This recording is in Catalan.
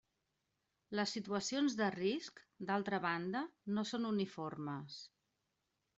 Les situacions de risc, d'altra banda, no són uniformes.